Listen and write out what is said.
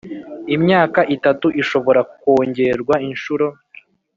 Imyaka itatu ishobora kwongerwa inshuro